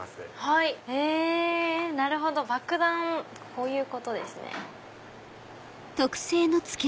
こういうことですね。